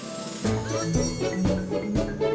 untuk sementara waktu aja